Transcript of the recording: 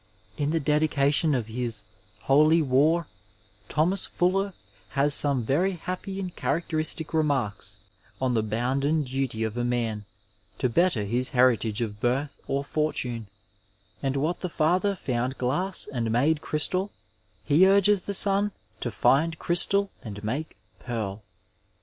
In the dedication of his Hcly War^ Thomas Fuller has some very happy and characteristic remarks on the bounden duty of a man to better lus heritage of birth or fortune, and what the father found glass and made cr3rstal, he urges the son to find crystal and make pearl.